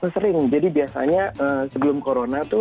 sering jadi biasanya sebelum corona tuh